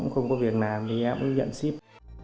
không có việc làm thì em cũng nhận ship